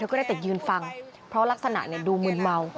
ก็ได้แต่ยืนฟังเพราะลักษณะดูมืนเมา